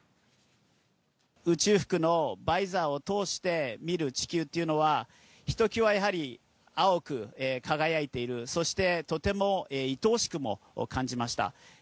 宇宙服のバイザーを通して見る地球っていうのは、ひときわやはり、青く輝いている、そしてとてもいとおしくも感じました。